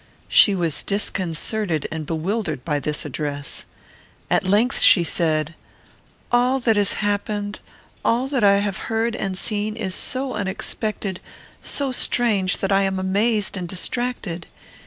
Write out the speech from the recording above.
She was disconcerted and bewildered by this address. At length she said, "All that has happened, all that I have heard and seen, is so unexpected, so strange, that I am amazed and distracted.